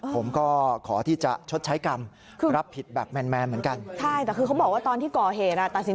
ผมก็ขอที่จะชดใช้กรรมรับผิดแบบแมนเหมือนกัน